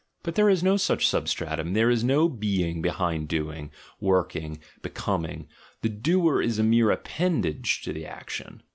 But there is no such substratum, there is no "being" behind doing, working, becoming; "the doer" is a mere appanage to the action.